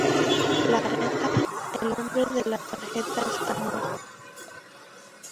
La reta, el hombre de la tarjeta está muerto.